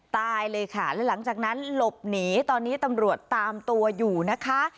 ตายเลยค่ะแล้วหลังจากนั้นหลบหนีตอนนี้ตำรวจตามตัวอยู่นะคะ